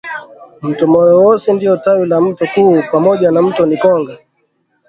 Mto Moyowosi ndio tawi la mto kuu pamoja na mto Nikonga